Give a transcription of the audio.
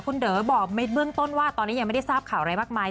คุณเด๋อบอกในเบื้องต้นว่าตอนนี้ยังไม่ได้ทราบข่าวอะไรมากมาย